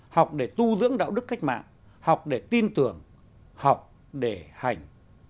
học để tu dưỡng đạo đức cách mạng học để tin tưởng học để hành